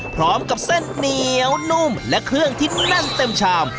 พร้อมกับเส้นเหนียวนุ่มและเครื่องที่แน่นเต็มชาม